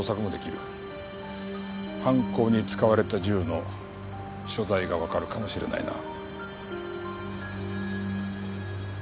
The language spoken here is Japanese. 犯行に使われた銃の所在がわかるかもしれないな。